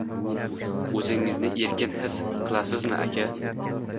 O‘zingizni erkin his qilasizmi aka.